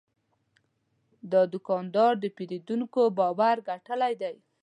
دا دوکاندار د پیرودونکو باور ګټلی دی.